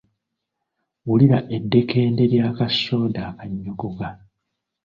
Wulira eddekende lya kasoda akannyogoga!